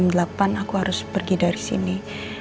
mungkin jam delapan aku harus pergi dari sini